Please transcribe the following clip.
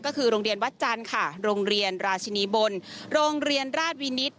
ก็คือโรงเรียนวัดจันทร์ค่ะโรงเรียนราชินีบนโรงเรียนราชวินิต